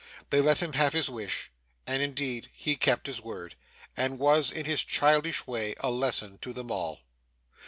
They let him have his wish; and indeed he kept his word, and was, in his childish way, a lesson to them all.